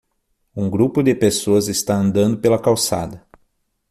Um grupo de pessoas está andando pela calçada.